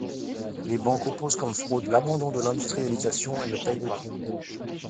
Les banques opposent comme fraude l'abandon de l'industrialisation et ne paient pas.